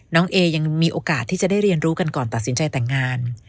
เอยังมีโอกาสที่จะได้เรียนรู้กันก่อนตัดสินใจแต่งงาน